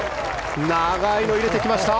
長いのを入れてきました。